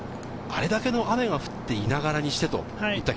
あれだけの雨が降っていながらにして、といった